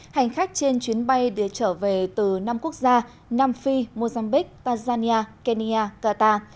hành khách trên chuyến bay để trở về từ năm quốc gia nam phi mozambiq tanzania kenya qatar